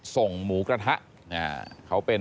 ส่งหมูกระทะ